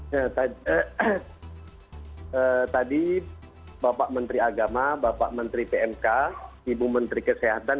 ya tadi bapak menteri agama bapak menteri pmk ibu menteri kesehatan